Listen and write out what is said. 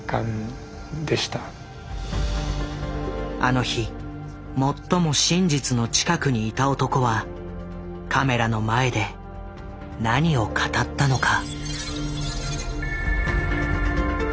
あの日最も真実の近くにいた男はカメラの前で何を語ったのか？